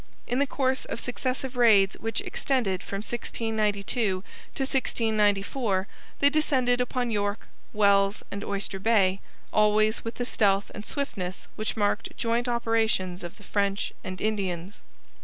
In the course of successive raids which extended from 1692 to 1694 they descended upon York, Wells, and Oyster Bay, always with the stealth and swiftness which marked joint operations of the French and Indians.